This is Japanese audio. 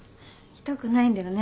痛くないんだよね。